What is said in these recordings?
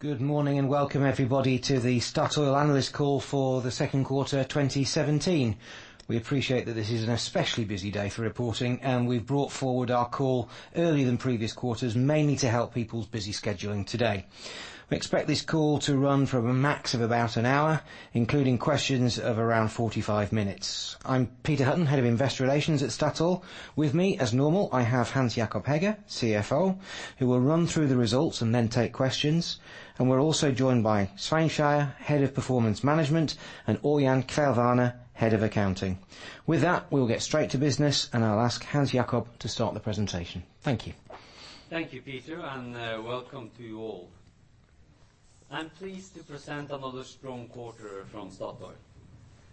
Good morning, and welcome, everybody, to the Statoil analyst call for the Q2 2017. We appreciate that this is an especially busy day for reporting, and we've brought forward our call earlier than previous quarters, mainly to help people's busy scheduling today. We expect this call to run for a max of about an hour, including questions of around 45 minutes. I'm Peter Hutton, Head of Investor Relations at Statoil. With me, as normal, I have Hans Jakob Hegge, CFO, who will run through the results and then take questions. We're also joined by Svein Skeie, Head of Performance Management, and Ørjan Kvelvane, Head of Accounting. With that, we will get straight to business, and I'll ask Hans Jakob Hegge to start the presentation. Thank you. Thank you, Peter, and welcome to you all. I'm pleased to present another strong quarter from Equinor.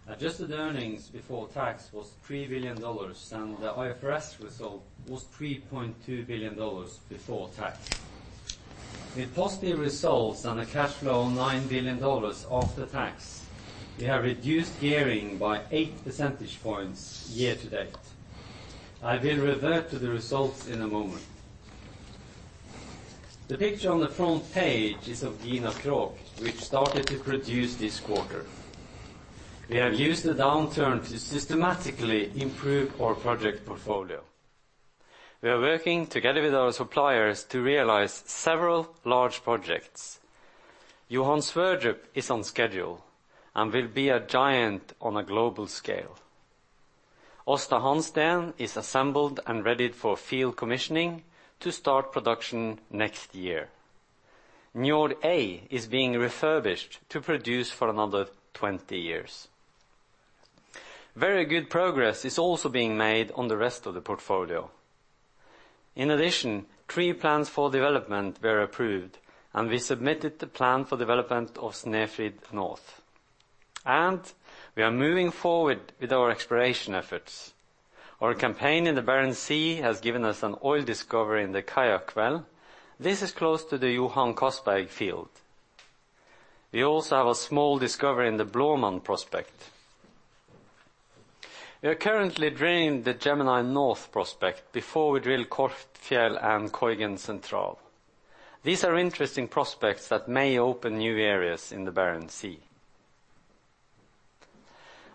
Adjusted earnings before tax was $3 billion and the IFRS result was $3.2 billion before tax. With positive results and a cash flow of $9 billion after tax, we have reduced gearing by 8 percentage points year to date. I will revert to the results in a moment. The picture on the front page is of Gina Krog, which started to produce this quarter. We have used the downturn to systematically improve our project portfolio. We are working together with our suppliers to realize several large projects. Johan Sverdrup is on schedule and will be a giant on a global scale. Aasta Hansteen is assembled and readied for field commissioning to start production next year. Njord A is being refurbished to produce for another 20 years. Very good progress is also being made on the rest of the portfolio. In addition, three plans for development were approved, and we submitted the plan for development of Snøhvit North. We are moving forward with our exploration efforts. Our campaign in the Barents Sea has given us an oil discovery in the Kayak Well. This is close to the Johan Castberg field. We also have a small discovery in the Blåmann prospect. We are currently draining the Gemini North prospect before we drill Korpfjell and Koigen Central. These are interesting prospects that may open new areas in the Barents Sea.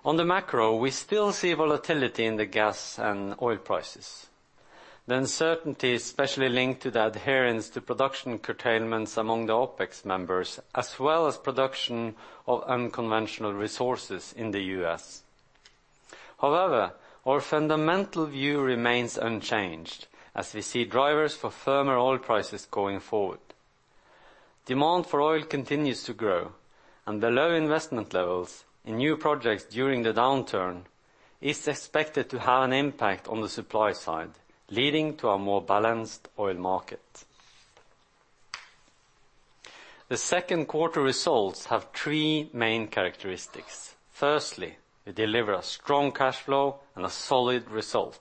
On the macro, we still see volatility in the gas and oil prices. The uncertainty is especially linked to the adherence to production curtailments among the OPEC members, as well as production of unconventional resources in the US. However, our fundamental view remains unchanged as we see drivers for firmer oil prices going forward. Demand for oil continues to grow, and the low investment levels in new projects during the downturn is expected to have an impact on the supply side, leading to a more balanced oil market. The Q2 results have three main characteristics. Firstly, we deliver a strong cash flow and a solid result.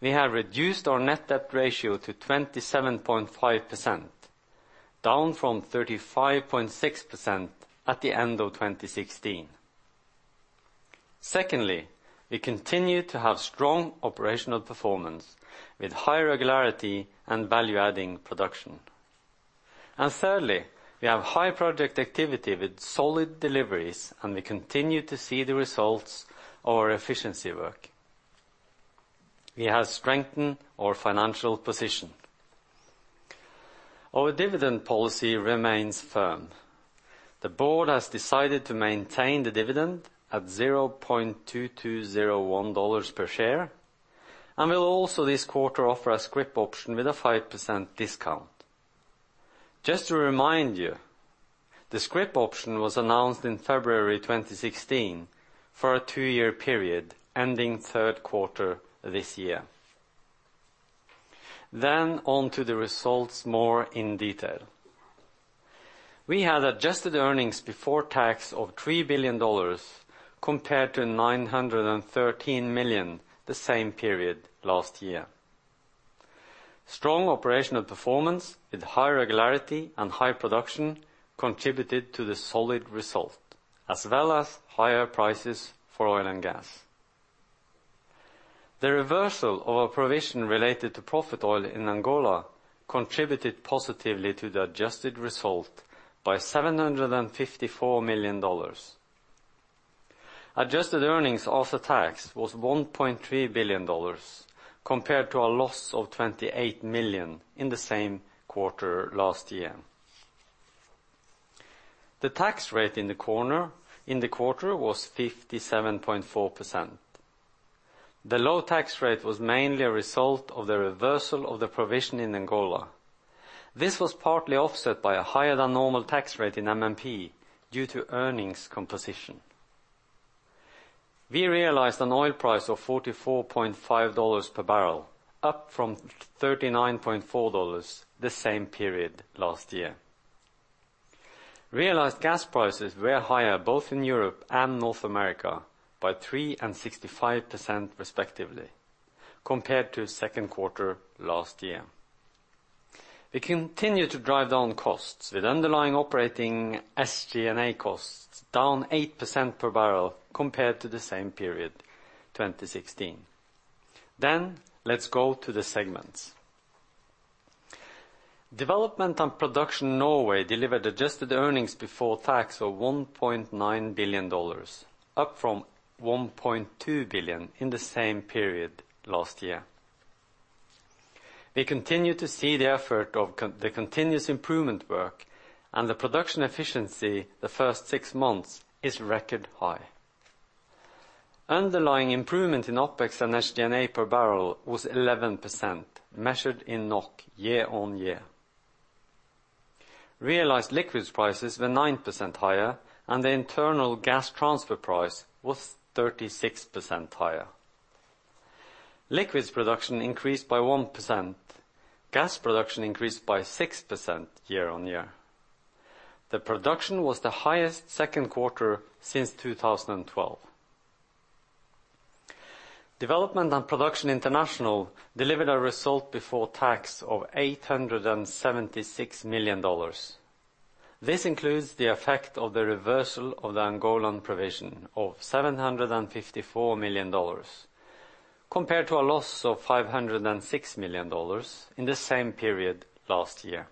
We have reduced our net debt ratio to 27.5%, down from 35.6% at the end of 2016. Secondly, we continue to have strong operational performance with high regularity and value-adding production. Thirdly, we have high project activity with solid deliveries, and we continue to see the results of our efficiency work. We have strengthened our financial position. Our dividend policy remains firm. The board has decided to maintain the dividend at $0.2201 per share and will also this quarter offer a scrip option with a 5% discount. Just to remind you, the scrip option was announced in February 2016 for a two year period ending Q3 this year. On to the results more in detail. We had adjusted earnings before tax of $3 billion compared to $913 million the same period last year. Strong operational performance with high regularity and high production contributed to the solid result, as well as higher prices for oil and gas. The reversal of a provision related to profit oil in Angola contributed positively to the adjusted result by $754 million. Adjusted earnings after tax was $1.3 billion, compared to a loss of $28 million in the same quarter last year. The tax rate in the quarter was 57.4%. The low tax rate was mainly a result of the reversal of the provision in Angola. This was partly offset by a higher than normal tax rate in MMP due to earnings composition. We realized an oil price of $44.5 per barrel, up from $39.4 the same period last year. Realized gas prices were higher both in Europe and North America by 3% and 65% respectively compared to Q2 last year. We continue to drive down costs with underlying operating SG&A costs down 8% per barrel compared to the same period 2016. Let's go to the segments. Development and Production Norway delivered adjusted earnings before tax of $1.9 billion, up from $1.2 billion in the same period last year. We continue to see the effect of the continuous improvement work and the production efficiency. The first six months is record high. Underlying improvement in OpEx and SG&A per barrel was 11% measured in NOK year-on-year. Realized liquids prices were 9% higher, and the internal gas transfer price was 36% higher. Liquids production increased by 1%. Gas production increased by 6% year-on-year. The production was the highest Q2 since 2012. Development and Production International delivered a result before tax of $876 million. This includes the effect of the reversal of the Angolan provision of $754 million compared to a loss of $506 million in the same period last year.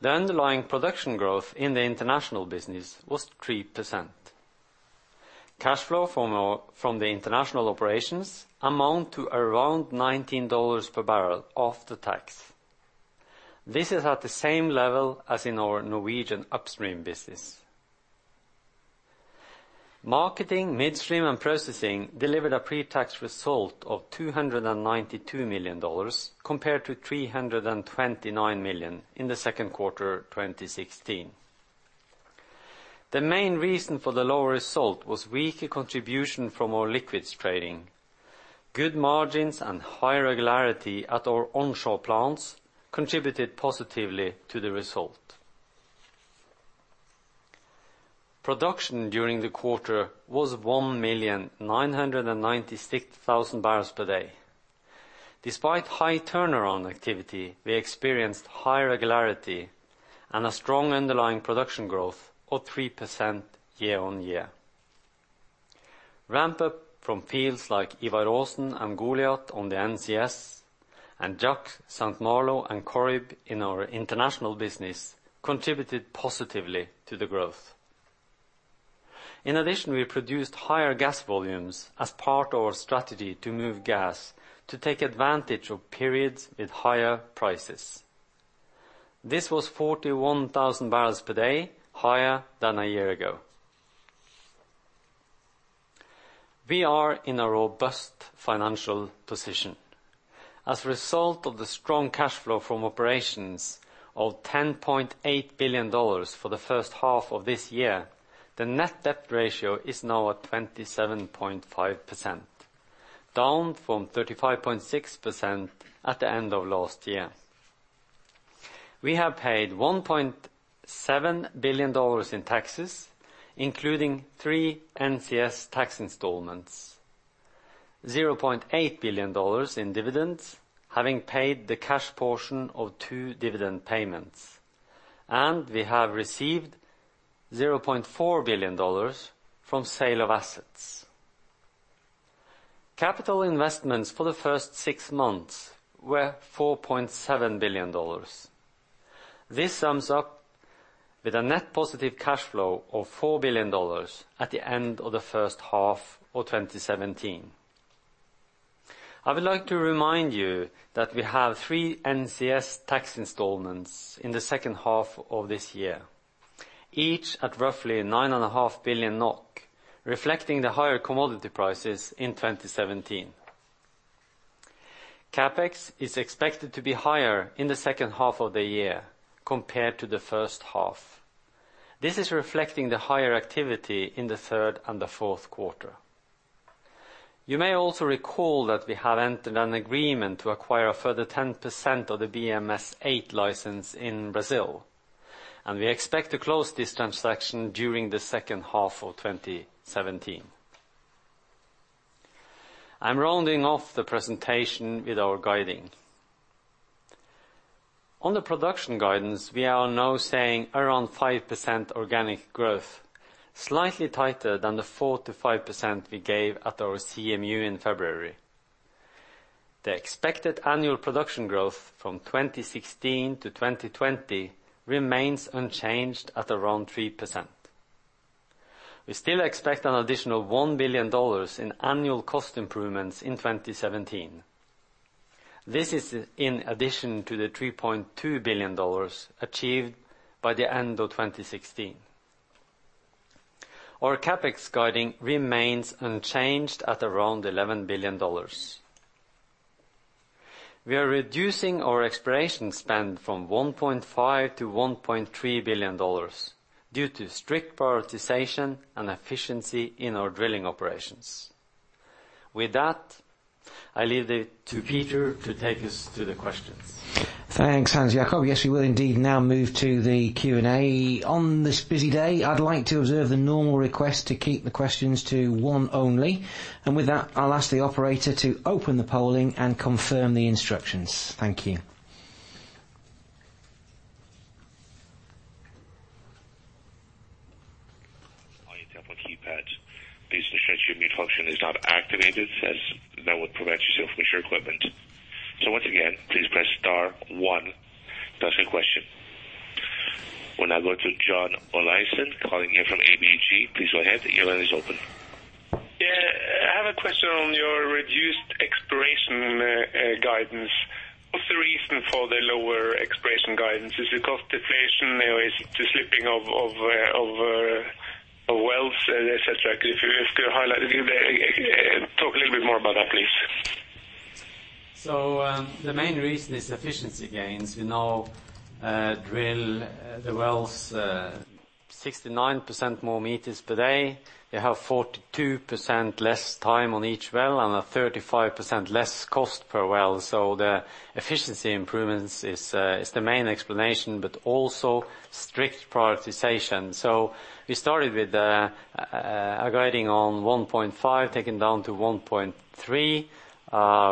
The underlying production growth in the international business was 3%. Cash flow from from the international operations amount to around $19 per barrel after tax. This is at the same level as in our Norwegian upstream business. Marketing, midstream, and processing delivered a pre-tax result of $292 million compared to $329 million in the Q2 2016. The main reason for the lower result was weaker contribution from our liquids trading. Good margins and high regularity at our onshore plants contributed positively to the result. Production during the quarter was 1,996,000 barrels per day. Despite high turnaround activity, we experienced high regularity and a strong underlying production growth of 3% year-on-year. Ramp-up from fields like Ivar Aasen and Goliat on the NCS and Jack, St. Malo, and Corrib in our international business contributed positively to the growth. In addition, we produced higher gas volumes as part of our strategy to move gas to take advantage of periods with higher prices. This was 41,000 barrels per day higher than a year ago. We are in a robust financial position. As a result of the strong cash flow from operations of $10.8 billion for the first half of this year, the net debt ratio is now at 27.5%, down from 35.6% at the end of last year. We have paid $1.7 billion in taxes, including three NCS tax installments, $0.8 billion in dividends, having paid the cash portion of two dividend payments, and we have received $0.4 billion from sale of assets. Capital investments for the first six months were $4.7 billion. This sums up with a net positive cash flow of $4 billion at the end of the first half of 2017. I would like to remind you that we have three NCS tax installments in the second half of this year, each at roughly 9.5 billion NOK, reflecting the higher commodity prices in 2017. CapEx is expected to be higher in the second half of the year compared to the first half. This is reflecting the higher activity in the third and the Q4. You may also recall that we have entered an agreement to acquire a further 10% of the BM-S-8 license in Brazil, and we expect to close this transaction during the second half of 2017. I'm rounding off the presentation with our guidance. On the production guidance, we are now saying around 5% organic growth, slightly tighter than the 4% to 5% we gave at our CMU in February. The expected annual production growth from 2016 to 2020 remains unchanged at around 3%. We still expect an additional $1 billion in annual cost improvements in 2017. This is in addition to the $3.2 billion achieved by the end of 2016. Our CapEx guidance remains unchanged at around $11 billion. We are reducing our exploration spend from $1.5 billion to $1.3 billion due to strict prioritization and efficiency in our drilling operations. With that, I leave it to Peter to take us to the questions. Thanks, Hans Jakob. Yes, we will indeed now move to the Q and A. On this busy day, I'd like to observe the normal request to keep the questions to one only. With that, I'll ask the operator to open the polling and confirm the instructions. Thank you. On your telephone keypads. Please ensure your mute function is not activated, since that would prevent us from hearing you. Once again, please press star one to ask a question. We'll now go to John Olaisen calling in from ABG. Please go ahead. Your line is open. Yeah, I have a question on your reduced exploration guidance. What's the reason for the lower exploration guidance? Is it cost deflation or is it the slipping of wells, et cetera? Could you just kinda highlight if you could talk a little bit more about that, please. The main reason is efficiency gains. We now drill the wells 69% more meters per day. They have 42% less time on each well and a 35% less cost per well. The efficiency improvements is the main explanation, but also strict prioritization. We started with a guiding on 1.5, taken down to 1.3.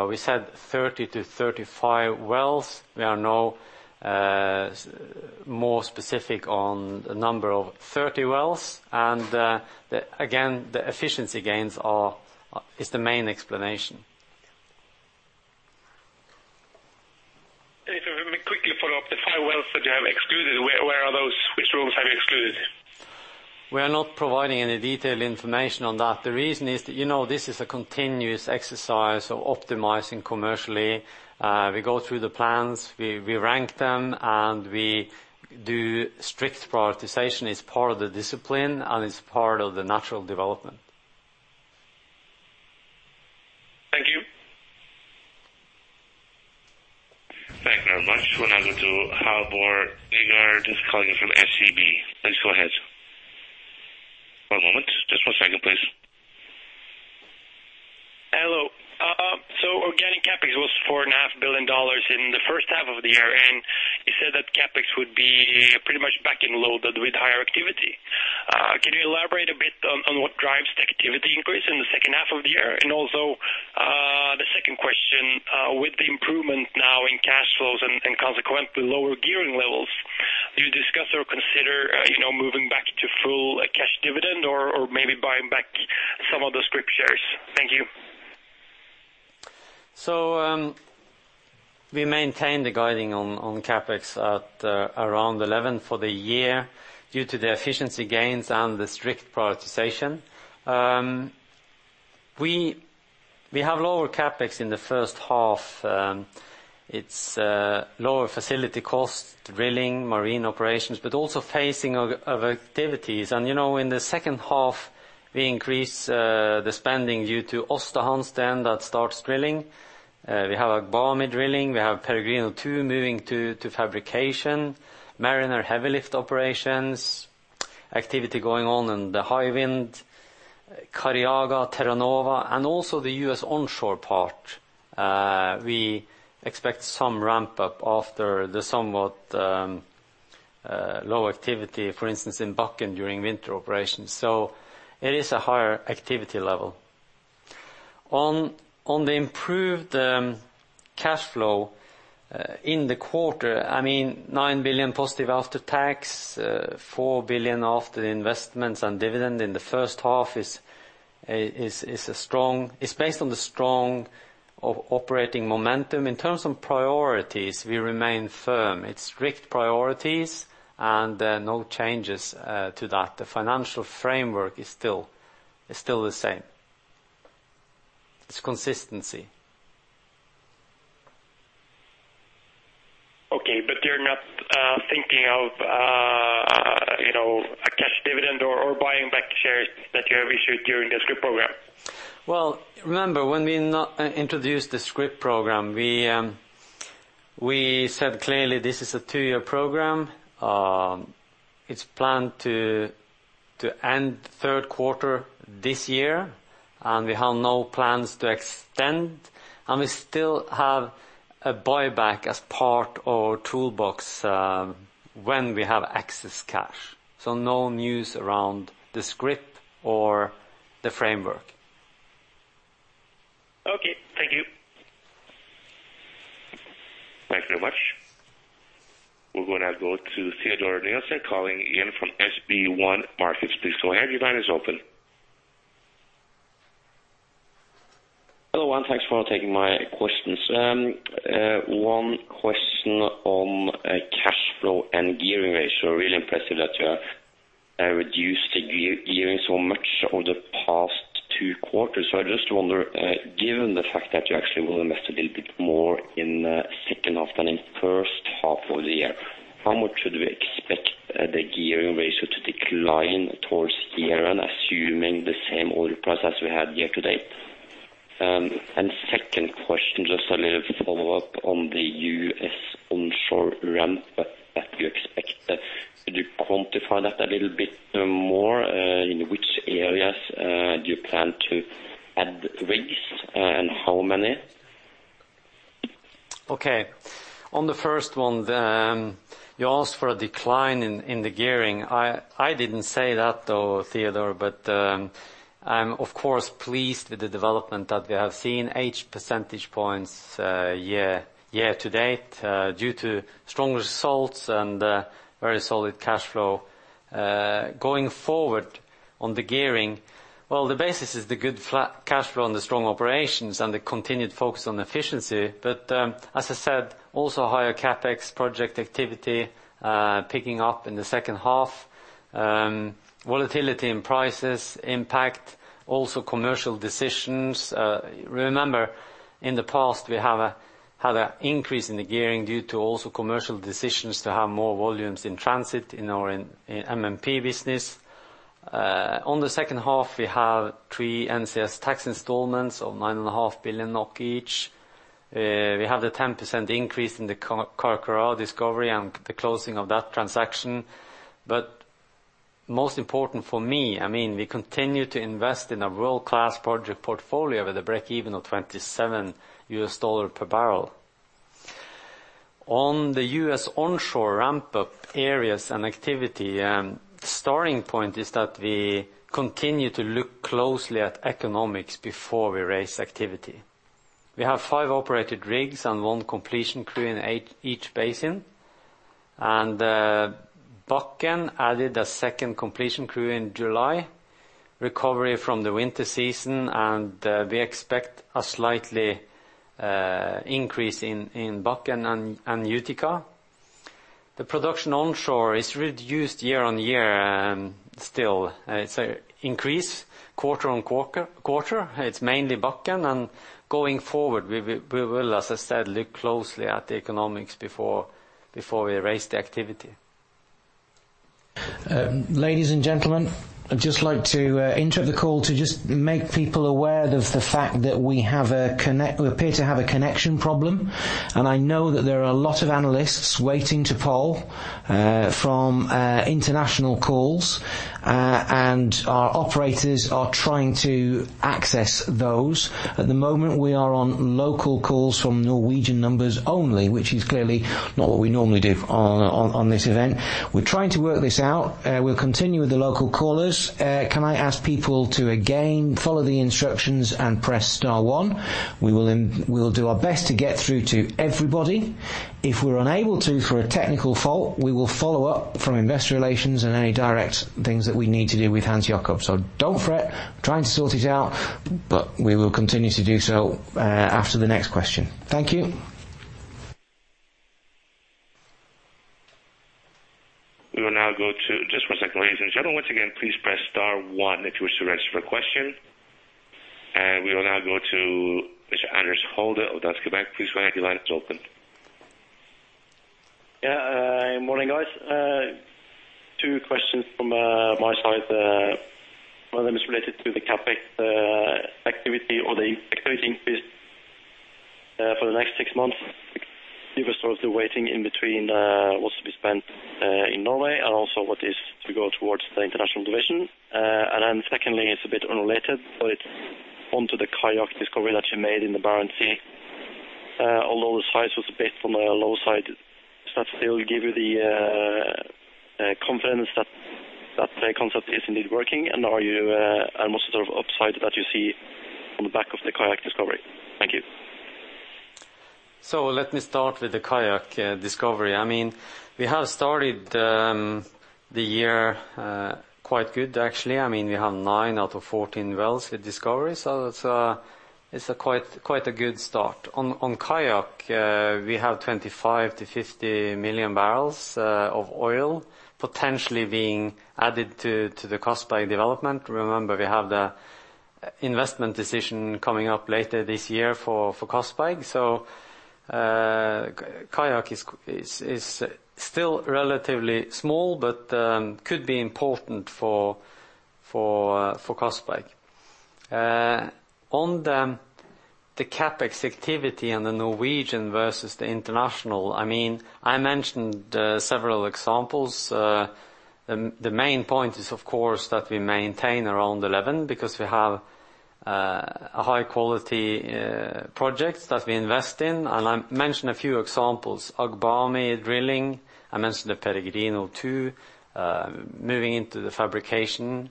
We said 30 to 35 wells. We are now more specific on the number of 30 wells. Again, the efficiency gains is the main explanation. If I may quickly follow up. The five wells that you have excluded, where are those? Which wells have you excluded? We are not providing any detailed information on that. The reason is that, you know, this is a continuous exercise of optimizing commercially. We go through the plans, we rank them, and we do strict prioritization. It's part of the discipline, and it's part of the natural development. Thank you. Thank you very much. We'll now go to Halvor Eggert calling from SEB. Please go ahead. One moment. Just one second, please. Hello. Organic CapEx was $4.5 billion in the first half of the year, and you said that CapEx would be pretty much back-end loaded with higher activity. Can you elaborate a bit on what drives the activity increase in the second half of the year? Also, the second question, with the improvement now in cash flows and consequently lower gearing levels, do you discuss or consider, you know, moving back to full cash dividend or maybe buying back some of the scrip shares? Thank you. We maintain the guiding on CapEx at around $11 billion for the year due to the efficiency gains and the strict prioritization. We have lower CapEx in the first half. It is lower facility costs, drilling, marine operations, but also phasing of activities. You know, in the second half we increase the spending due to Aasta Hansteen that starts drilling. We have Agbami drilling, we have Peregrino 2 moving to fabrication. Mariner heavy lift operations, activity going on in the Hywind, Carcará, Terra Nova and also the US onshore part. We expect some ramp up after the somewhat low activity, for instance, in Bakken during winter operations. It is a higher activity level. On the improved cash flow in the quarter, I mean, 9 billion positive after tax, 4 billion after the investments and dividend in the first half is a strong. It's based on the strong operating momentum. In terms of priorities, we remain firm. It's strict priorities and no changes to that. The financial framework is still the same. It's consistency. You're not thinking of, you know, a cash dividend or buying back shares that you have issued during the scrip program? Well, remember when we introduced the scrip program, we said clearly this is a two-year program. It's planned to end Q3 this year, and we have no plans to extend, and we still have a buyback as part of our toolbox, when we have excess cash. No news around the scrip or the framework. Okay, thank you. Thank you very much. We're gonna go to Teodor Sveen-Nilsen calling in from SB1 Markets. Please go ahead, your line is open. Hello, thanks for taking my questions. One question on cash flow and gearing ratio. Really impressive that you have reduced the gearing so much over the past two quarters. I just wonder, given the fact that you actually will invest a little bit more in the second half than in first half of the year, how much should we expect the gearing ratio to decline towards year-end, assuming the same oil price as we had year to date? Second question, just a little follow-up on the US onshore ramp up that you expect. Could you quantify that a little bit more? In which areas do you plan to add rigs and how many? Okay. On the first one, you asked for a decline in the gearing. I didn't say that though, Teodor, I'm of course pleased with the development that we have seen 8 percentage points year-to-date due to strong results and very solid cash flow. Going forward on the gearing, well, the basis is the good free cash flow and the strong operations and the continued focus on efficiency. As I said, also higher CapEx project activity picking up in the second half. Volatility in prices impact also commercial decisions. Remember, in the past, we had an increase in the gearing due to commercial decisions to have more volumes in transit in our MMP business. On the second half, we have three NCS tax installments of 9.5 billion NOK each. We have the 10% increase in the Carcará discovery and the closing of that transaction. Most important for me, I mean, we continue to invest in a world-class project portfolio with a break-even of $27 per barrel. On the US onshore ramp-up areas and activity, the starting point is that we continue to look closely at economics before we raise activity. We have five operated rigs and one completion crew in each basin. Bakken added a second completion crew in July, recovery from the winter season, and we expect a slightly increase in Bakken and Utica. The production onshore is reduced year-on-year and still it's a increase quarter-on-quarter. It's mainly Bakken, and going forward, we will, as I said, look closely at the economics before we raise the activity. Ladies and gentlemen, I'd just like to interrupt the call to just make people aware of the fact that we appear to have a connection problem. I know that there are a lot of analysts waiting to poll from international calls, and our operators are trying to access those. At the moment, we are on local calls from Norwegian numbers only, which is clearly not what we normally do on this event. We're trying to work this out. We'll continue with the local callers. Can I ask people to again follow the instructions and press star one? We will do our best to get through to everybody. If we're unable to, for a technical fault, we will follow up from Investor Relations and any direct things that we need to do with Hans Jakob Hegge. Don't fret. We're trying to sort it out, but we will continue to do so after the next question. Thank you. Just one second, ladies and gentlemen. Once again, please press star one if you wish to register a question. We will now go to Mr. Anders Holte of Danske Bank. Please go ahead. Your line is open. Morning, guys. Two questions from my side. One of them is related to the CapEx activity or the activity increase for the next six months. Give us sort of the weighting in between what's to be spent in Norway and also what is to go towards the international division. Secondly, it's a bit unrelated, but it's onto the Kayak discovery that you made in the Barents Sea. Although the size was a bit on the low side, does that still give you the confidence that the concept is indeed working? Are you any sort of upside that you see on the back of the Kayak discovery? Thank you. Let me start with the Kayak discovery. I mean, we have started the year quite good, actually. I mean, we have nine out of 14 wells with discovery, so that's a quite a good start. On Kayak, we have 25 million to 50 million barrels of oil potentially being added to the Castberg development. Remember, we have the investment decision coming up later this year for Castberg. Kayak is still relatively small but could be important for Castberg. On the CapEx activity and the Norwegian versus the international, I mean, I mentioned several examples. The main point is, of course, that we maintain around 11 because we have high quality projects that we invest in. I mentioned a few examples. Agbami drilling, I mentioned the Peregrino 2, moving into the fabrication,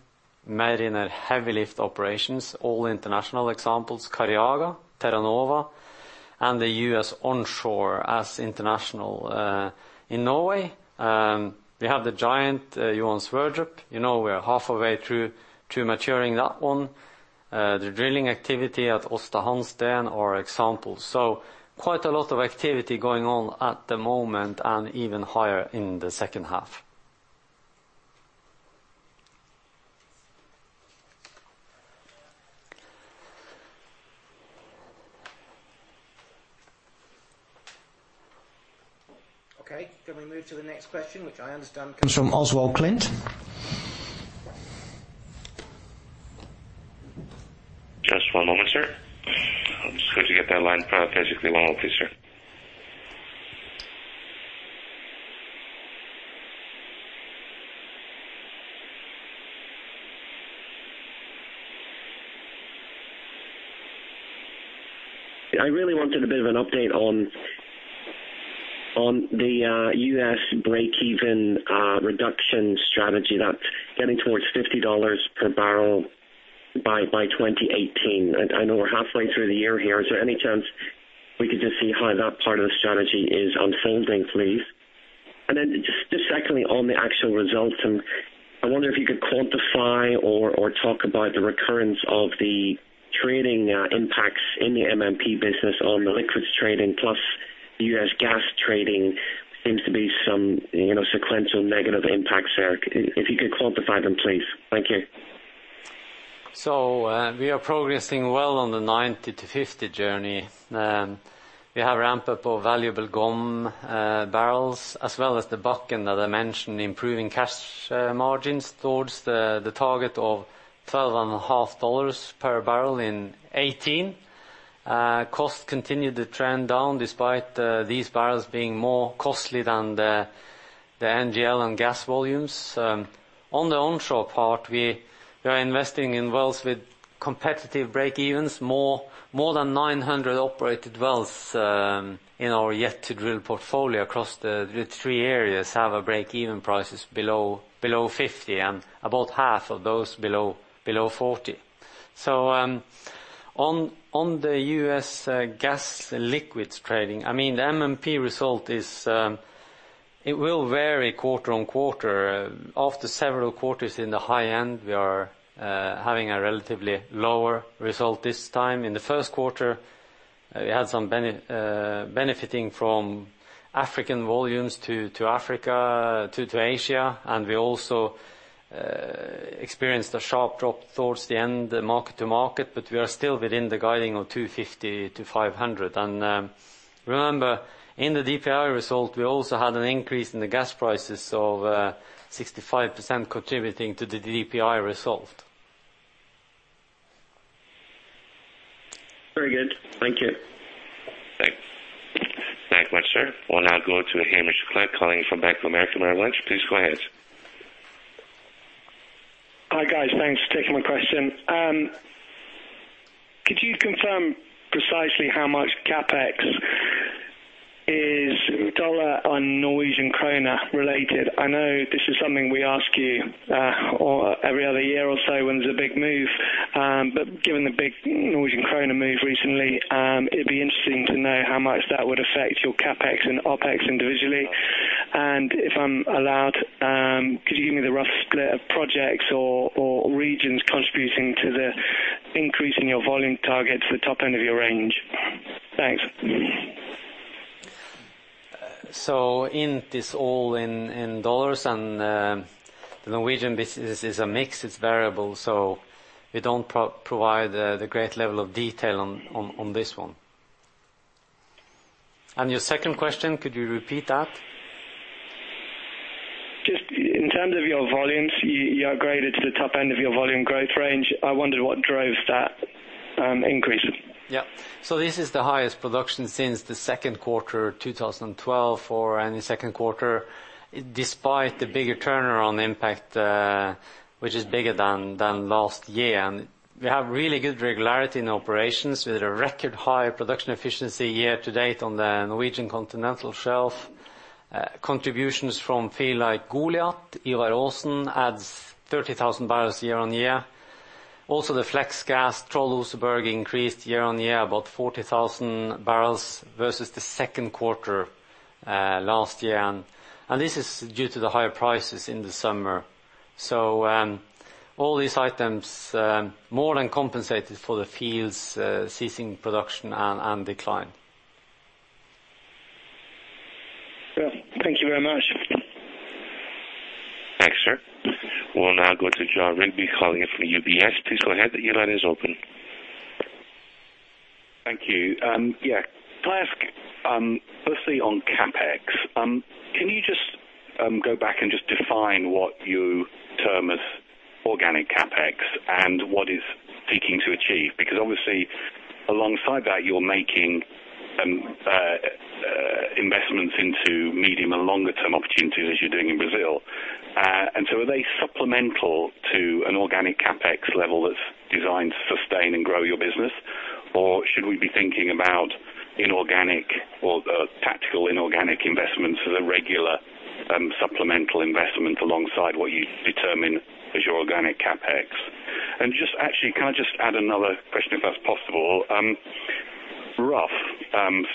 Mariner heavy lift operations, all international examples, Carioca, Terra Nova, and the US onshore as international. In Norway, we have the giant Johan Sverdrup. You know, we are half a way through to maturing that one. The drilling activity at Aasta Hansteen are examples. Quite a lot of activity going on at the moment and even higher in the second half. Okay. Can we move to the next question, which I understand comes from Oswald Clint? Just one moment, sir. I'm just going to get that line, physically lined up, please, sir. I really wanted a bit of an update on the US breakeven reduction strategy that's getting towards $50 per barrel by 2018. I know we're halfway through the year here. Is there any chance we could just see how that part of the strategy is unfolding, please? Then just secondly, on the actual results, I wonder if you could quantify or talk about the recurrence of the trading impacts in the MMP business on the liquids trading plus US gas trading. Seems to be some, you know, sequential negative impacts there. If you could quantify them, please. Thank you. We are progressing well on the 90 to 50 journey. We have ramped up our valuable GoM barrels, as well as the Bakken that I mentioned, improving cash margins towards the target of $12.50 per barrel in 2018. Cost continued to trend down despite these barrels being more costly than the NGL and gas volumes. On the onshore part, we are investing in wells with competitive break-evens. More than 900 operated wells in our yet to drill portfolio across the three areas have breakeven prices below $50 and about half of those below $40. On the US gas liquids trading, I mean, the MMP result is, it will vary quarter-on-quarter. After several quarters in the high end, we are having a relatively lower result this time. In the Q1, we had some benefiting from African volumes to Africa to Asia, and we also experienced a sharp drop towards the end mark-to-market, but we are still within the guidance of $250 to $500. Remember, in the DPI result, we also had an increase in the gas prices of 65% contributing to the DPI result. Very good. Thank you. Thank you very much, sir. We'll now go to Hamish Clegg calling from Bank of America Merrill Lynch. Please go ahead. Hi, guys. Thanks for taking my question. Could you confirm precisely how much CapEx is dollar- or Norwegian kroner-related? I know this is something we ask you or every other year or so when there's a big move. Given the big Norwegian krone move recently, it'd be interesting to know how much that would affect your CapEx and OpEx individually. If I'm allowed, could you give me the rough split of projects or regions contributing to the increase in your volume target to the top end of your range? Thanks. In this all in dollars and, the Norwegian business is a mix, it's variable, so we don't provide the great level of detail on this one. Your second question, could you repeat that? Just in terms of your volumes, you upgraded to the top end of your volume growth range. I wondered what drove that, increase. Yeah. This is the highest production since the Q2 2012 for any Q2, despite the bigger turnaround impact, which is bigger than last year. We have really good regularity in operations with a record high production efficiency year to date on the Norwegian Continental Shelf. Contributions from fields like Goliat, Ivar Aasen adds 30,000 barrels year-on-year. Also, the flex gas Troll and Oseberg increased year-on-year about 40,000 barrels versus the Q2 last year. This is due to the higher prices in the summer. All these items more than compensated for the fields ceasing production and decline. Yeah. Thank you very much. Thanks, sir. We'll now go to Jon Rigby calling in from UBS. Please go ahead. Your line is open. Thank you. Yeah. Can I ask, firstly on CapEx, can you just go back and just define what you term as organic CapEx and what it's seeking to achieve? Because obviously alongside that, you're making investments into medium and longer term opportunities as you're doing in Brazil. Are they supplemental to an organic CapEx level that's designed to sustain and grow your business? Or should we be thinking about inorganic or tactical inorganic investments as a regular supplemental investment alongside what you determine as your organic CapEx? And just actually, can I just add another question if that's possible? Rough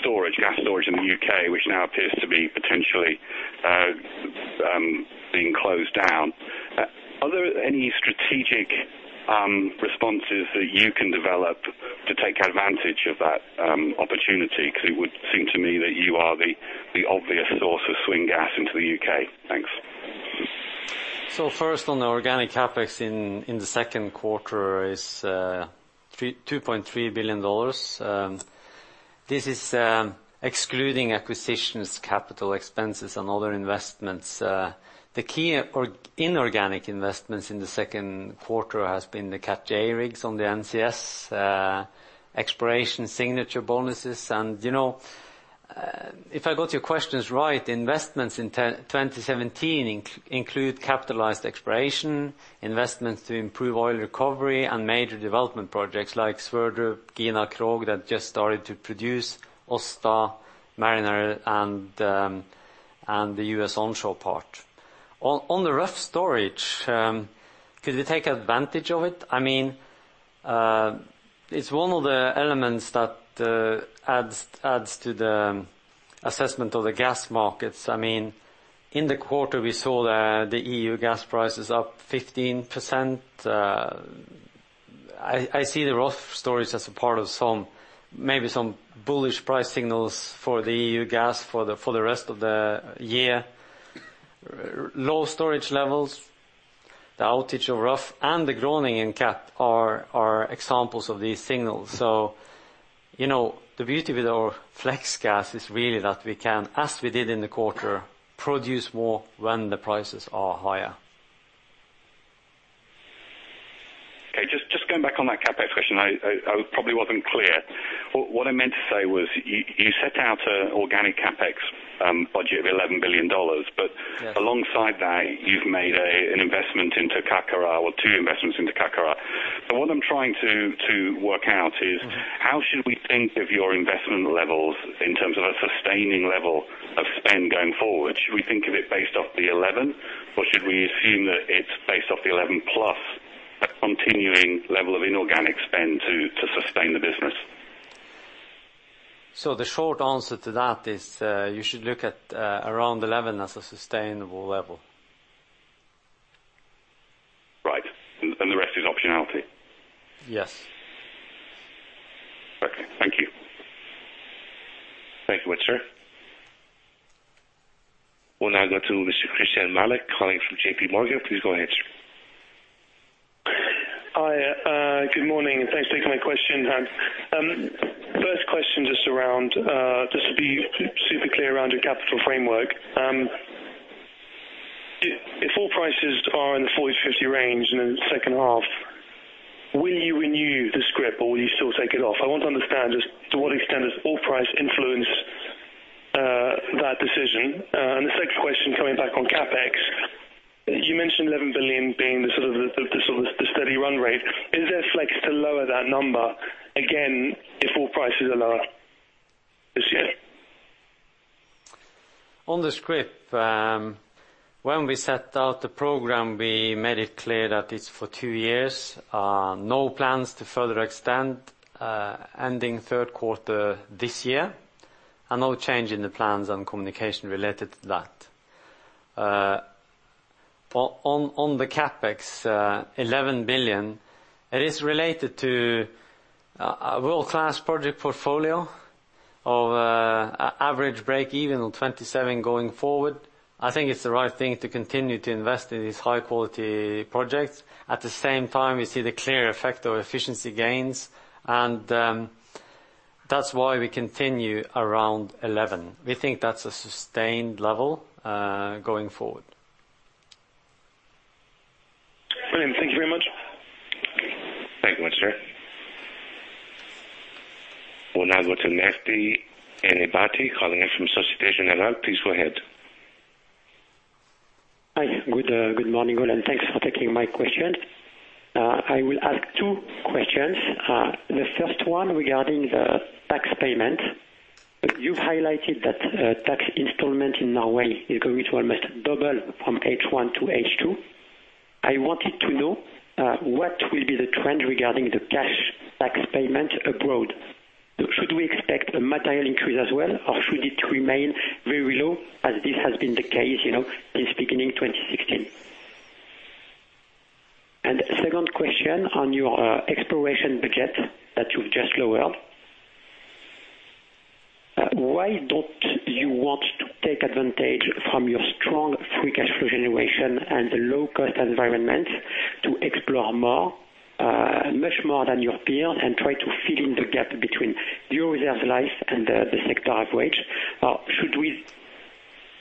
storage, gas storage in the UK, which now appears to be potentially being closed down. Are there any strategic responses that you can develop to take advantage of that opportunity? Because it would seem to me that you are the obvious source of swing gas into the UK. Thanks. First on the organic CapEx in the Q2 is $2.3 billion. This is excluding acquisitions, capital expenses and other investments. The key inorganic investments in the Q2 has been the Cat J rigs on the NCS, exploration signature bonuses. You know, if I got your questions right, investments in 2017 include capitalized exploration, investments to improve oil recovery and major development projects like Sverdrup, Gina Krog that just started to produce, Aasta, Mariner and the US onshore part. On the Rough storage, could we take advantage of it? I mean, it's one of the elements that adds to the assessment of the gas markets. I mean, in the quarter we saw the EU gas prices up 15%. I see the Rough storage as a part of some, maybe some bullish price signals for the EU gas for the rest of the year. Low storage levels, the outage of Rough and the Groningen cap are examples of these signals. You know, the beauty with our flex gas is really that we can, as we did in the quarter, produce more when the prices are higher. Just going back on that CapEx question, I probably wasn't clear. What I meant to say was you set out an organic CapEx budget of $11 billion. Yeah. Alongside that, you've made an investment into Carcará or two investments into Carcará. What I'm trying to work out is Mm-hmm. How should we think of your investment levels in terms of a sustaining level of spend going forward? Should we think of it based off the 11 or should we assume that it's based off the 11+ a continuing level of inorganic spend to sustain the business? The short answer to that is, you should look at around 11 as a sustainable level. Right. The rest is optionality. Yes. Okay. Thank you. Thank you, sir. We'll now go to Mr. Christyan Malek calling from JPMorgan. Please go ahead, sir. Hi. Good morning, and thanks for taking my question. First question, just to be super clear around your capital framework. If oil prices are in the $40 to $50 range in the second half, will you renew the scrip or will you still take it off? I want to understand just to what extent does oil price influence that decision. The second question coming back on CapEx, you mentioned $11 billion being the sort of steady run rate. Is there flex to lower that number again, if oil prices are lower this year? On the scrip, when we set out the program, we made it clear that it's for two years. No plans to further extend, ending Q3 this year, and no change in the plans on communication related to that. On the CapEx, $11 billion, it is related to a world-class project portfolio of average break even on $27 going forward. I think it's the right thing to continue to invest in these high quality projects. At the same time, we see the clear effect of efficiency gains, and that's why we continue around $11 billion. We think that's a sustained level, going forward. Brilliant. Thank you very much. Thank you, sir. We'll now go to Matthew Lofting calling in from Société Générale. Please go ahead. Hi. Good morning, and thanks for taking my question. I will ask two questions. The first one regarding the tax payment. You've highlighted that tax installment in Norway is going to almost double from H1 to H2. I wanted to know what will be the trend regarding the cash tax payment abroad. Should we expect a material increase as well, or should it remain very low as this has been the case, you know, since beginning 2016? Second question on your exploration budget that you've just lowered. Why don't you want to take advantage from your strong free cash flow generation and the low-cost environment to explore more, much more than your peers and try to fill in the gap between your reserves life and the sector average? Should we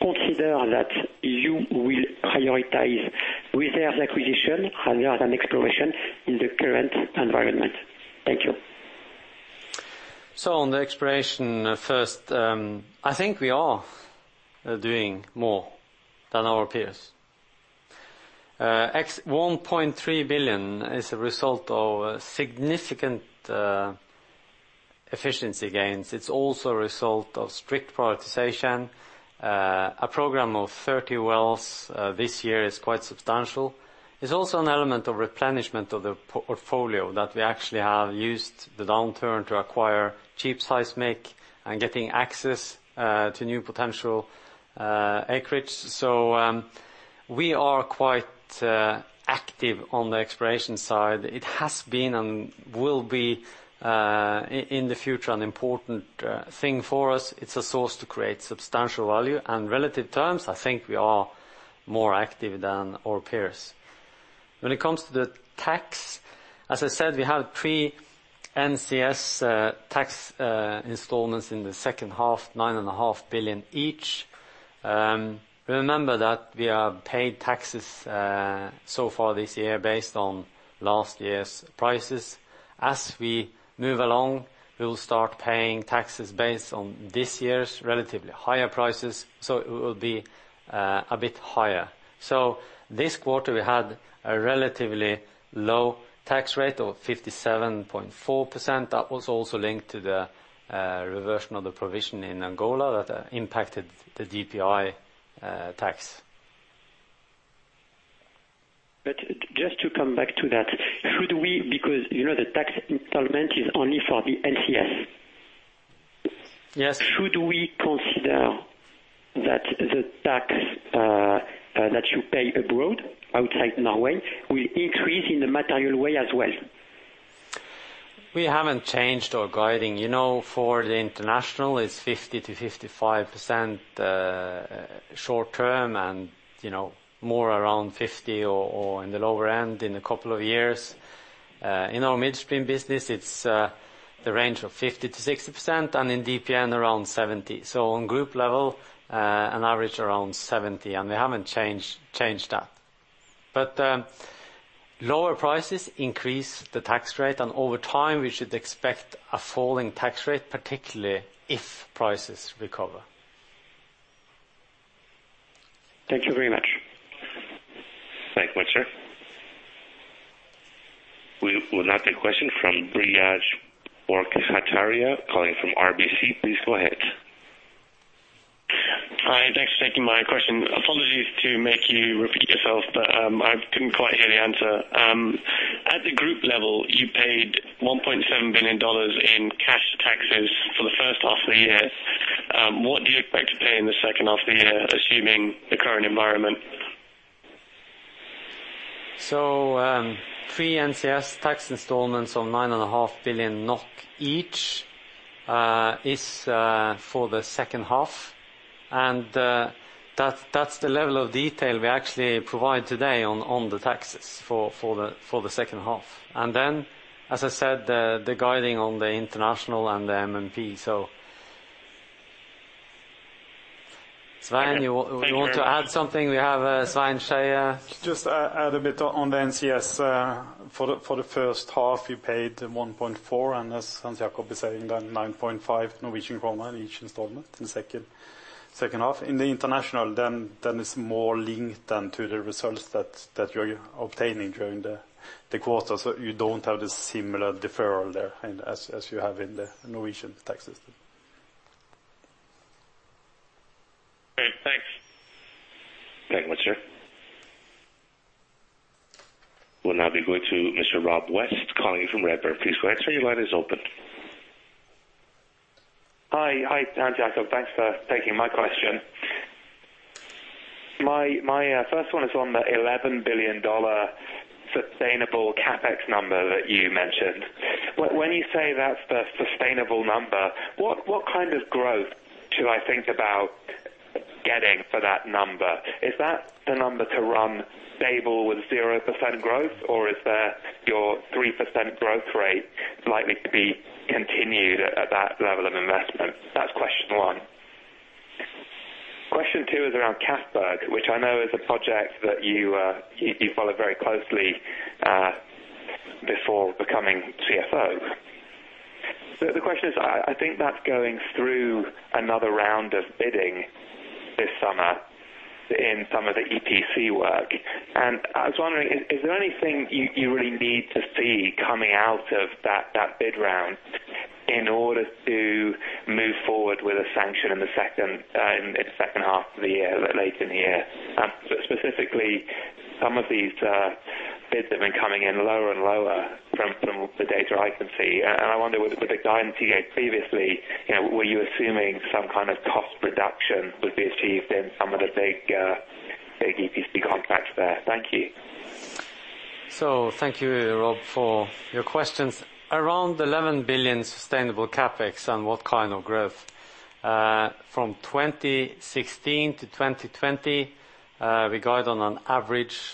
consider that you will prioritize reserves acquisition rather than exploration in the current environment? Thank you. On the exploration first, I think we are doing more than our peers. One point three billion is a result of significant efficiency gains. It's also a result of strict prioritization. A program of 30 wells this year is quite substantial. It's also an element of replenishment of the portfolio that we actually have used the downturn to acquire cheap seismic and getting access to new potential acreage. We are quite active on the exploration side. It has been and will be in the future an important thing for us. It's a source to create substantial value. In relative terms, I think we are more active than our peers. When it comes to the tax, as I said, we have pre-NCS tax installments in the second half, 9.5 billion each. Remember that we have paid taxes so far this year based on last year's prices. As we move along, we will start paying taxes based on this year's relatively higher prices, so it will be a bit higher. This quarter we had a relatively low tax rate of 57.4%. That was also linked to the reversion of the provision in Angola that impacted the DPI tax. Just to come back to that, because, you know, the tax installment is only for the NCS. Yes. Should we consider that the tax, that you pay abroad, outside Norway, will increase in a material way as well? We haven't changed our guidance. You know, for the international, it's 50% to 55% short-term and, you know, more around 50% or in the lower end in a couple of years. In our midstream business, it's the range of 50% to 60%, and in DPN, around 70%. On group level, an average around 70%, and we haven't changed that. Lower prices increase the tax rate, and over time, we should expect a falling tax rate, particularly if prices recover. Thank you very much. Thank you, sir. We will now take a question from Biraj Borkhataria, calling from RBC. Please go ahead. Hi, thanks for taking my question. Apologies to make you repeat yourself, but, I couldn't quite hear the answer. At the group level, you paid $1.7 billion in cash taxes for the first half of the year. What do you expect to pay in the second half of the year, assuming the current environment? Pre-NCS tax installments of 9.5 billion NOK each is for the second half. That's the level of detail we actually provide today on the taxes for the second half. Then, as I said, the guiding on the international and the MMP. Thank you very much. Svein, you want to add something? We have Svein Skeie. Just add a bit on the NCS. For the first half, we paid 1.4, and as Hans Jakob is saying, then 9.5 Norwegian kroner in each installment in the second half. In the international, it's more linked to the results that you're obtaining during the quarter, so you don't have the similar deferral there as you have in the Norwegian tax system. Great. Thanks. Thank you, sir. We'll now be going to Mr. Rob West, calling in from Redburn. Please go ahead, sir. Your line is open. Hi. Hi, Hans Jakob. Thanks for taking my question. My first one is on the $11 billion sustainable CapEx number that you mentioned. When you say that's the sustainable number, what kind of growth should I think about getting for that number? Is that the number to run stable with 0% growth, or is your 3% growth rate likely to be continued at that level of investment? That's question one. Question two is around Johan Castberg, which I know is a project that you followed very closely before becoming CFO. The question is, I think that's going through another round of bidding this summer in some of the EPC work. I was wondering, is there anything you really need to see coming out of that bid round in order to move forward with a sanction in the second half of the year, a bit late in the year? Specifically, some of these bids have been coming in lower and lower from the data I can see. I wonder with the guidance you gave previously, you know, were you assuming some kind of cost reduction would be achieved in some of the big EPC contracts there? Thank you. Thank you, Rob, for your questions. Around $11 billion sustainable CapEx and what kind of growth. From 2016 to 2020, we guide on an average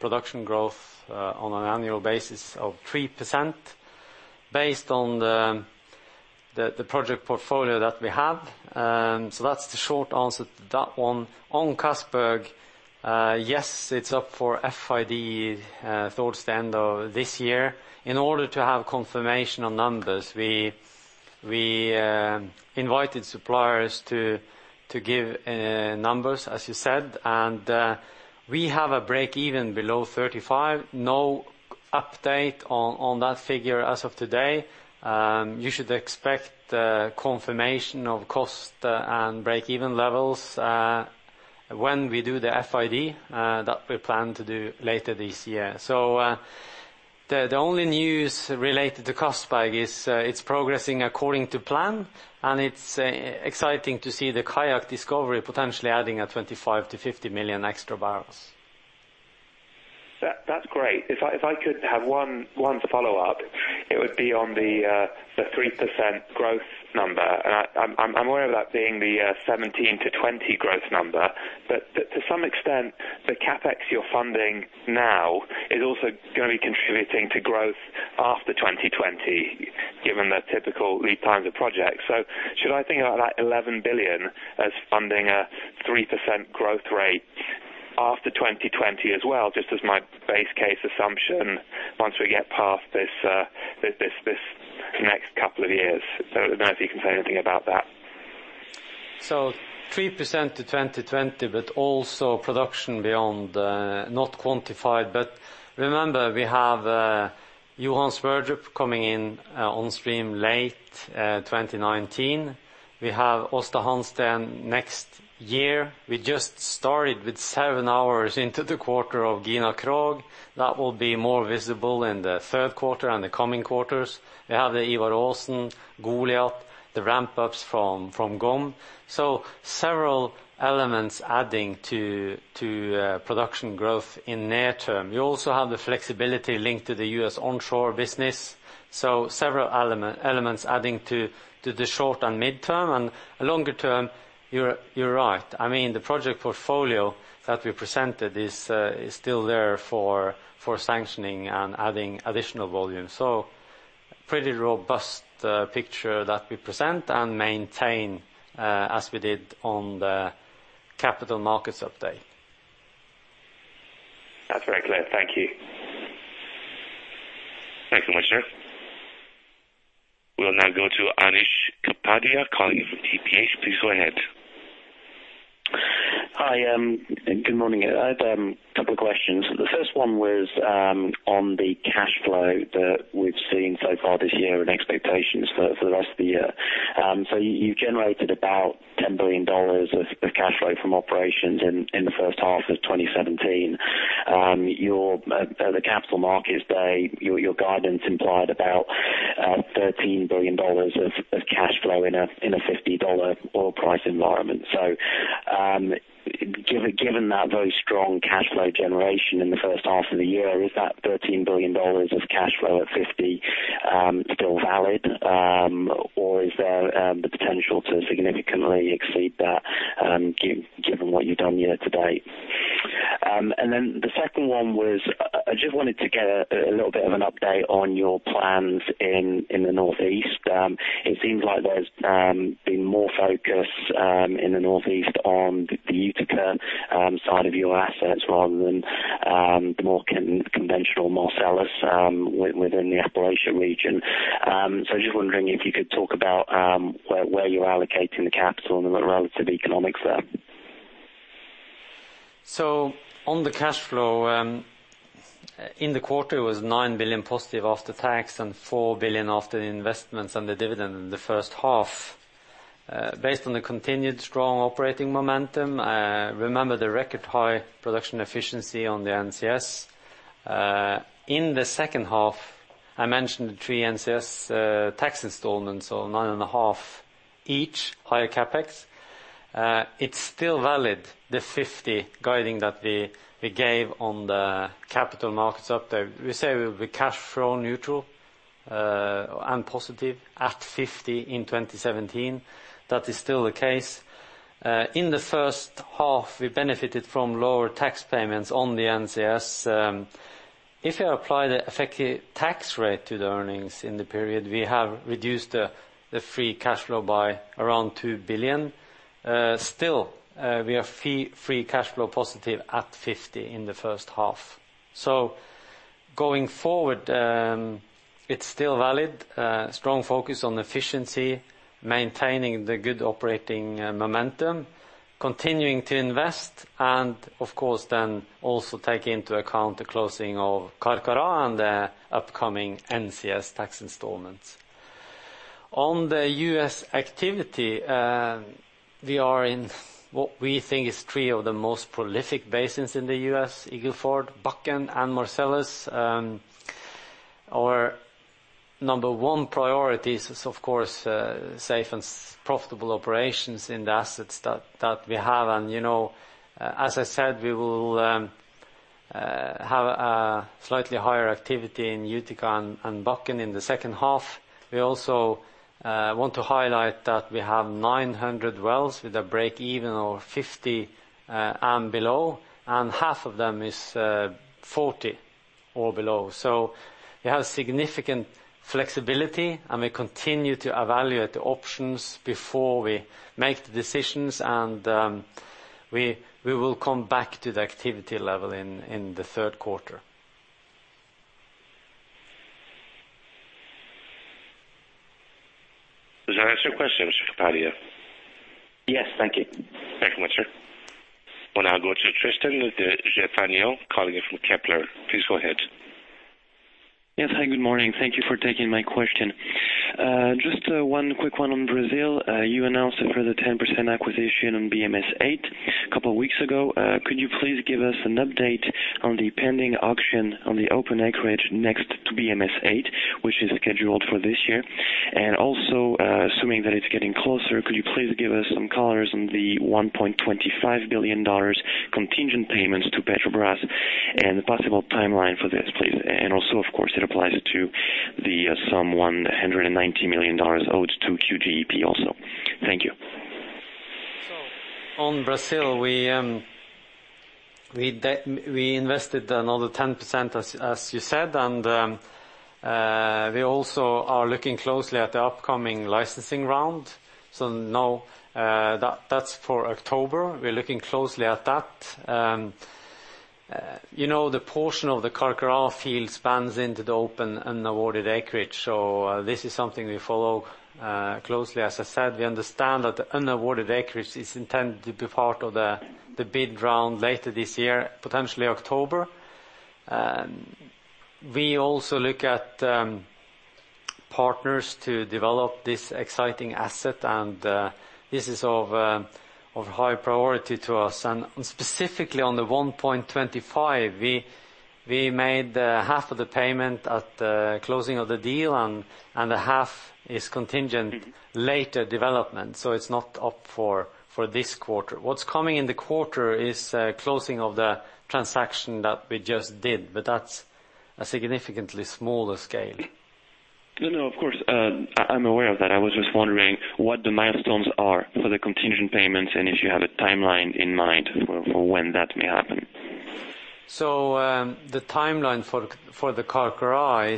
production growth on an annual basis of 3% based on the project portfolio that we have. That's the short answer to that one. On Castberg, yes, it's up for FID towards the end of this year. In order to have confirmation on numbers, we invited suppliers to give numbers, as you said. We have a breakeven below $35. No update on that figure as of today. You should expect confirmation of cost and breakeven levels when we do the FID that we plan to do later this year. The only news related to Castberg is it's progressing according to plan, and it's exciting to see the Kayak discovery potentially adding 25 million to 50 million extra barrels. That's great. If I could have one to follow up, it would be on the 3% growth number. I'm aware of that being the 17 to 20 growth number. To some extent, the CapEx you're funding now is also gonna be contributing to growth after 2020, given the typical lead times of projects. Should I think about that $11 billion as funding a 3% growth rate after 2020 as well, just as my base case assumption, once we get past this next couple of years. I don't know if you can say anything about that. So 3% to 2020, but also production beyond, not quantified. Remember, we have Johan Sverdrup coming in on stream late 2019. We have Aasta Hansteen next year. We just started with seven hours into the quarter of Gina Krog. That will be more visible in the Q3 and the coming quarters. We have the Ivar Aasen, Goliat, the ramp-ups from GoM. Several elements adding to production growth in near term. You also have the flexibility linked to the US onshore business. Several elements adding to the short and mid-term. Longer term, you're right. I mean, the project portfolio that we presented is still there for sanctioning and adding additional volume. Pretty robust picture that we present and maintain as we did on the Capital Markets Update. That's very clear. Thank you. Thank you much, sir. We'll now go to Anish Kapadia calling from Tudor, Pickering, Holt & Co. Please go ahead. Hi, good morning. I have a couple of questions. The first one was on the cash flow that we've seen so far this year and expectations for the rest of the year. You generated about $10 billion of cash flow from operations in the first half of 2017. At the capital markets day, your guidance implied about $13 billion of cash flow in a $50 oil price environment. Given that very strong cash flow generation in the first half of the year, is that $13 billion of cash flow at $50 still valid? Or is there the potential to significantly exceed that given what you've done year to date? The second one was, I just wanted to get a little bit of an update on your plans in the Northeast. It seems like there's been more focus in the Northeast on the Utica side of your assets rather than the more conventional Marcellus within the Appalachian region. Just wondering if you could talk about where you're allocating the capital and the relative economics there. On the cash flow in the quarter, it was $9 billion positive after tax and $4 billion after the investments and the dividend in the first half. Based on the continued strong operating momentum, remember the record high production efficiency on the NCS. In the second half, I mentioned the three NCS tax installments of $9.5 billion each, higher CapEx. It is still valid, the $50 guidance that we gave on the Capital Markets Update. We say we will be cash flow neutral, and positive at $50 in 2017. That is still the case. In the first half, we benefited from lower tax payments on the NCS. If you apply the effective tax rate to the earnings in the period, we have reduced the free cash flow by around $2 billion. Still, we are free cash flow positive at $50 in the first half. Going forward, it's still valid. Strong focus on efficiency, maintaining the good operating momentum, continuing to invest, and of course then also take into account the closing of Carcará and the upcoming NCS tax installments. On the US activity, we are in what we think is three of the most prolific basins in the US, Eagle Ford, Bakken, and Marcellus. Our number one priority is, of course, safe and profitable operations in the assets that we have. You know, as I said, we will have a slightly higher activity in Utica and Bakken in the second half. We also want to highlight that we have 900 wells with a break-even of $50 and below, and half of them is $40 or below. We have significant flexibility, and we continue to evaluate the options before we make the decisions. We will come back to the activity level in the Q3. Does that answer your question, Mr. Kapadia? Yes. Thank you. Thank you much, sir. We'll now go to Tristan Langhade, calling in from Kepler Cheuvreux. Please go ahead. Yes. Hi, good morning. Thank you for taking my question. Just one quick one on Brazil. You announced a further 10% acquisition on BM-S-8 a couple of weeks ago. Could you please give us an update on the pending auction on the open acreage next to BM-S-8, which is scheduled for this year? And also, assuming that it's getting closer, could you please give us some colors on the $1.25 billion contingent payments to Petrobras and the possible timeline for this, please? And also, of course, it applies to the sum $190 million owed to QGEP also. Thank you. On Brazil, we invested another 10%, as you said. We also are looking closely at the upcoming licensing round. That's for October. We're looking closely at that. You know, the portion of the Carcará fields spans into the open unawarded acreage. This is something we follow closely. As I said, we understand that the unawarded acreage is intended to be part of the bid round later this year, potentially October. We also look at partners to develop this exciting asset, and this is of high priority to us. Specifically on the $1.25, we made half of the payment at the closing of the deal, and the half is contingent later development, so it's not up for this quarter. What's coming in the quarter is closing of the transaction that we just did, but that's a significantly smaller scale. No, no, of course. I'm aware of that. I was just wondering what the milestones are for the contingent payments, and if you have a timeline in mind for when that may happen. The timeline for the Carcará.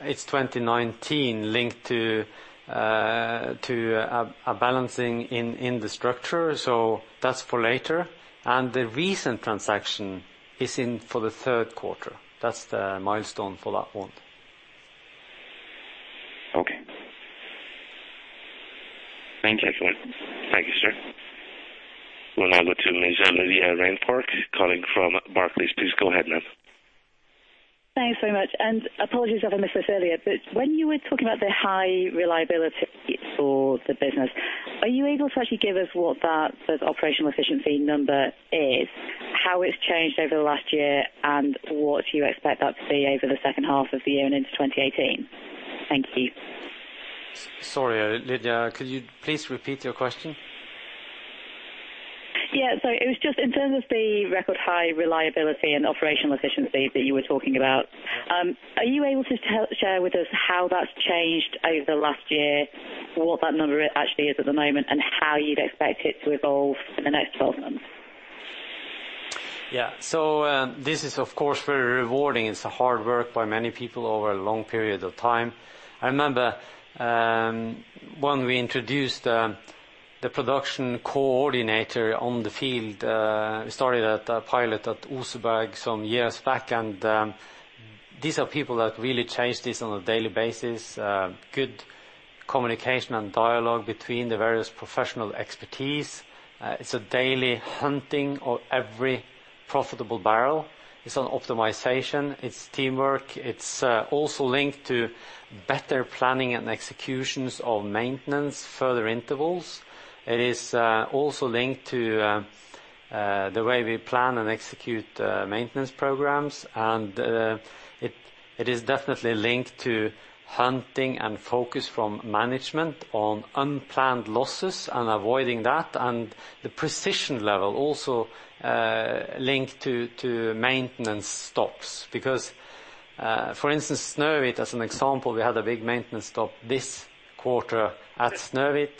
It's 2019 linked to a balancing in the structure, so that's for later. The recent transaction is in for the Q3. That's the milestone for that one. Okay. Thank you. Excellent. Thank you, sir. We'll now go to Lydia Rainforth, colleague from Barclays. Please go ahead, ma'am. Thanks very much. Apologies if I missed this earlier, but when you were talking about the high reliability for the business, are you able to actually give us what that operational efficiency number is, how it's changed over the last year, and what you expect that to be over the second half of the year and into 2018? Thank you. Sorry, Lydia, could you please repeat your question? Yeah. It was just in terms of the record high reliability and operational efficiency that you were talking about, are you able to share with us how that's changed over the last year and what that number actually is at the moment, and how you'd expect it to evolve in the next 12 months? Yeah. This is of course very rewarding. It's hard work by many people over a long period of time. I remember when we introduced the production coordinator on the field. We started a pilot at Oseberg some years back. These are people that really change this on a daily basis. Good communication and dialogue between the various professional expertise. It's a daily hunting of every profitable barrel. It's all optimization. It's teamwork. It's also linked to better planning and executions of maintenance, further intervals. It is also linked to the way we plan and execute maintenance programs. It is definitely linked to hunting and focus from management on unplanned losses and avoiding that. The precision level also linked to maintenance stops. Because, for instance, Snøhvit, as an example, we had a big maintenance stop this quarter at Snøhvit.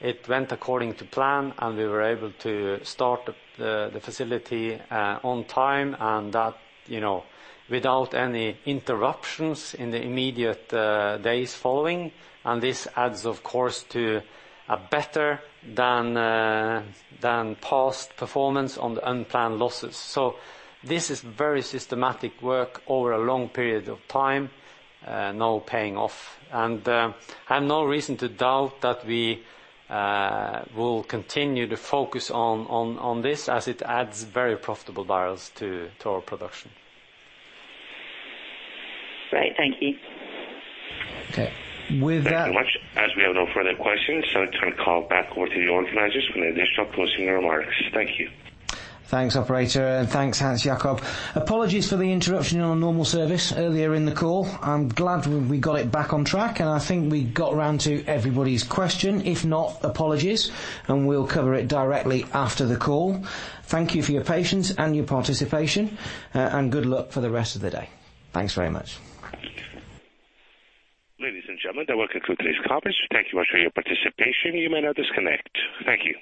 It went according to plan, and we were able to start the facility on time, and that, you know, without any interruptions in the immediate days following. This adds, of course, to a better than past performance on the unplanned losses. This is very systematic work over a long period of time, now paying off. I have no reason to doubt that we will continue to focus on this as it adds very profitable barrels to our production. Great. Thank you. Okay. With that. Thank you very much. As we have no further questions, so I turn the call back over to the organizers for any additional closing remarks. Thank you. Thanks, operator. Thanks, Hans Jakob Hegge. Apologies for the interruption in our normal service earlier in the call. I'm glad we got it back on track, and I think we got around to everybody's question. If not, apologies, and we'll cover it directly after the call. Thank you for your patience and your participation, and good luck for the rest of the day. Thanks very much. Ladies and gentlemen, the welcome call is accomplished. Thank you much for your participation. You may now disconnect. Thank you.